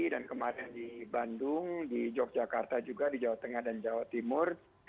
dan kemarin di bandung di yogyakarta juga di jawa tengah dan jawa timur